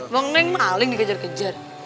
bang neng maling dikejar kejar